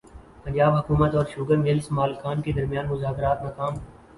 پنجاب حکومت اور sugar mills مالکان کے درمیان مذاکرات ناکام